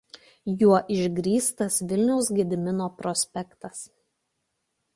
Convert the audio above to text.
Juo išgrįstas Vilniaus Gedimino prospektas.